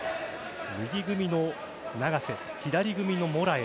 右組みの永瀬、左組みのモラエイ。